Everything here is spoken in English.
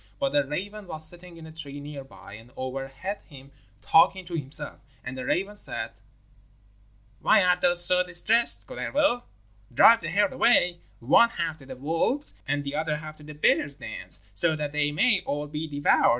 But a raven was sitting in a tree near by and overhead him talking to himself, and the raven said: 'Why art thou so distressed, Kullervo? Drive the herd away, one half to the wolves' and the other half to the bears' dens, so that they may all be devoured.